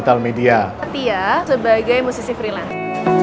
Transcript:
tia sebagai musisi freelance